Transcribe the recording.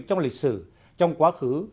trong lịch sử trong quá khứ